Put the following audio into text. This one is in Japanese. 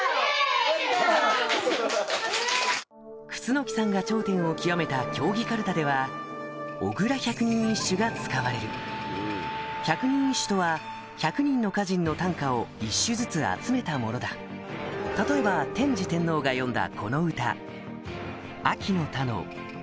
・楠木さんが頂点を極めた競技かるたではが使われる百人一首とは１００人の歌人の短歌を１首ずつ集めたものだ例えば天智天皇が詠んだ